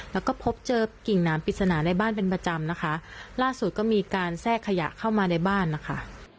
แล้วก็พบเจอกิ่งน้ำปริศนาในบ้านเป็นประจำนะคะล่าสุดก็มีการแทรกขยะเข้ามาในบ้านนะคะ